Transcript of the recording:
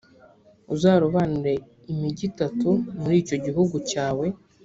uzarobanure imigi itatu muri icyo gihugu cyawe,